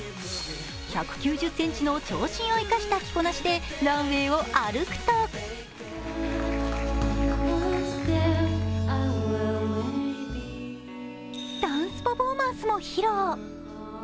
１９０ｃｍの長身を生かした着こなしでランウェイを歩くとダンスパフォーマンスも披露。